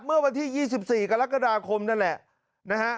เมื่อวันที่๒๔กรกฎาคมนั่นแหละนะฮะ